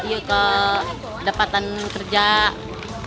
jadi mak kumpulkan gitu kumpulkan pakai berobat